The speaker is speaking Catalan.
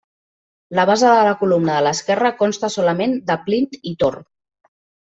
La base de la columna de l'esquerra consta solament de plint i tor.